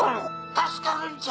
助かるんじゃ。